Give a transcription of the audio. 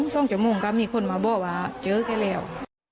ซ่องจมูกก็มีคนมาบอกว่าเจอแค่แล้ว